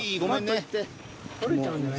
獲れちゃうんじゃない？